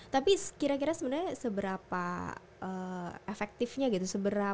tapi kira kira sebenarnya seberapa efektifnya gitu